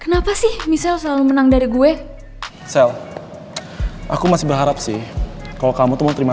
kenapa sih misal selalu menang dari gue sel aku masih berharap sih kalau kamu tuh mau terima